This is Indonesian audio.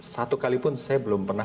satu kalipun saya belum pernah